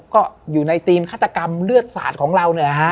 ก็อยู่ในฆาตกรรมเลือดศาสตร์ของเรา